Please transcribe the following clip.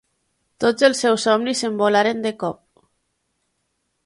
Tots els seus somnis s'envolaren de cop.